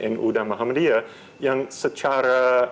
nu dan muhammadiyah yang secara